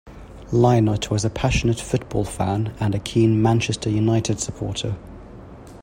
Lynott was a passionate football fan, and a keen Manchester United supporter.